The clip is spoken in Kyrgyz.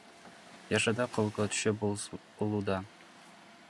Яша да колго түшпөс болууда.